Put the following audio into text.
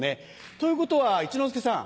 ということは一之輔さん